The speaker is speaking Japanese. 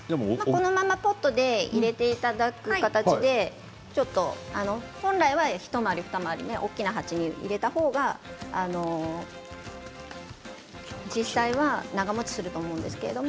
このままポットで入れていただく形で、本来は一回りふた回り大きな鉢に入れた方が実際は長もちすると思うんですけれど。